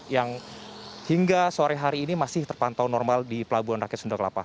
yang hingga sore hari ini masih terpantau normal di pelabuhan rakyat sunda kelapa